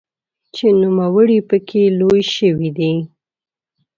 چې نوموړی پکې لوی شوی دی.